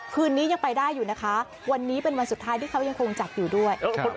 คืนนี้ยังไปได้อยู่นะคะวันนี้เป็นวันสุดท้ายที่เขายังคงจัดอยู่ด้วย